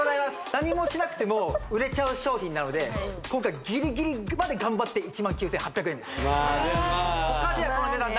何もしなくても売れちゃう商品なので今回ギリギリまで頑張って１９８００円ですまあでもまあまあね